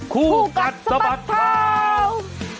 คู่กัดสะบัดข่าว